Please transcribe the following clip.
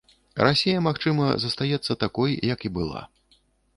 Расія, магчыма, застаецца такой, як і была.